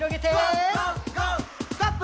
「ストップ！」